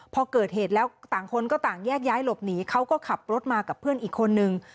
พอเกิดเหตุแล้วต่างคนก็ต่างแยกย้ายหลบหนีเขาก็ขับรถมากับเพื่อนอีกคนนึง